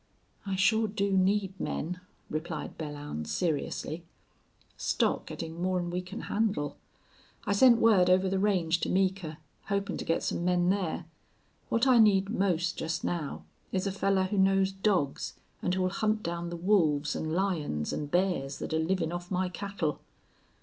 "I sure do need men," replied Belllounds, seriously. "Stock gettin' more 'n we can handle. I sent word over the range to Meeker, hopin' to get some men there. What I need most jest now is a fellar who knows dogs an' who'll hunt down the wolves an' lions an' bears thet're livin' off my cattle."